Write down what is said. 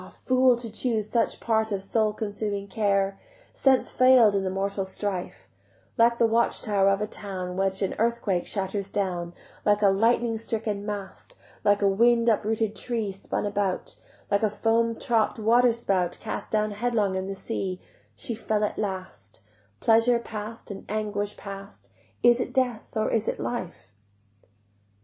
fool, to choose such part Of soul consuming care! Sense fail'd in the mortal strife: Like the watch tower of a town Which an earthquake shatters down, Like a lightning stricken mast, Like a wind uprooted tree Spun about, Like a foam topp'd waterspout Cast down headlong in the sea, She fell at last; Pleasure past and anguish past, Is it death or is it life?